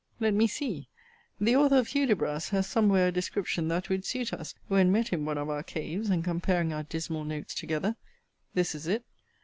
Let me see; the author of Hudibras has somewhere a description that would suit us, when met in one of our caves, and comparing our dismal notes together. This is it.